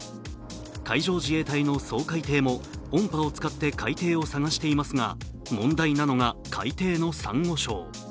海上自衛隊の掃海艇も音波を使って海底を捜していますが問題なのが、海底のさんご礁。